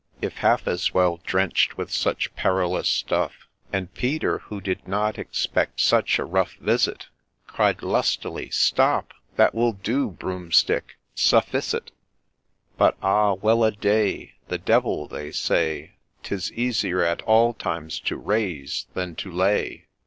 ' If half as well drench'd with such ' perilous stuff,' And Peter, who did not expect such a rough visit, Cried lustily, 'Stop !— That will do, Broomstick \ Sufficit! But ah, well a day I The Devil, they say, 'Tis easier at all times to raise than to lay.